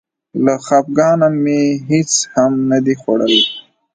له خپګانه مې هېڅ هم نه دي خوړلي.